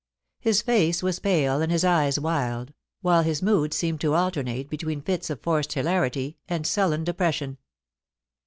His face was pate and his eyes wild, while his mood seemed to alternate between fits of forced hilarity and sullen depression.